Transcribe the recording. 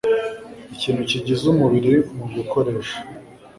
ikintu kigize umubiri Mu gukoresha